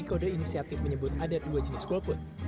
kode inisiatif menyebut ada dua jenis golput